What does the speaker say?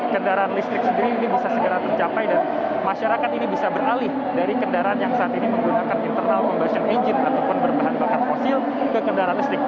kendaraan listrik sendiri ini bisa segera tercapai dan masyarakat ini bisa beralih dari kendaraan yang saat ini menggunakan internal combustion engine ataupun berbahan bakar fosil ke kendaraan listrik